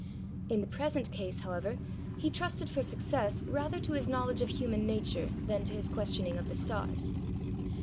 In the present case, however, he trusted for success rather to his knowledge of human nature than to his questioning of the stars.